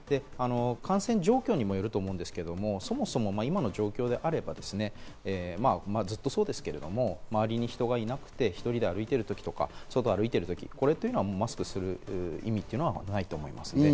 感染状況にもよると思うんですけど、そもそも今の状況であれば、ずっとそうですけど、周りに人がいなくて、１人で歩いている時とか、外を歩くときマスクをする意味は全くないと思います。